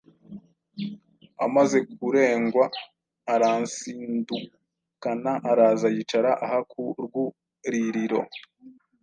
amaze kurengwa aransindukana, araza yicara aha ku rwuririro,